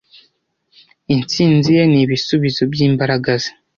Intsinzi ye ni ibisubizo byimbaraga ze.